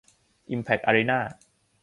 อิมแพ็คอารีน่า